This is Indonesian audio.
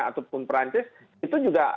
ataupun perancis itu juga